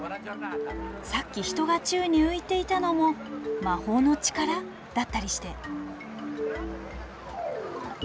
さっき人が宙に浮いていたのも魔法の力だったりして。